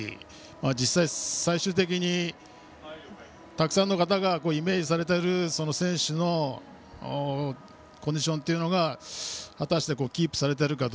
実際、最終的にたくさんの方がイメージされている選手のコンディションが果たしてキープされているか。